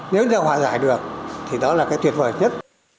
nếu ta hòa giải được thì đó là cái tuyệt vời nhất